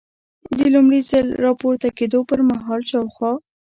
د لومړي ځل را پورته کېدو پر مهال شاوخوا.